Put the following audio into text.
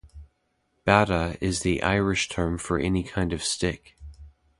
"Bata" is the Irish term for any kind of stick.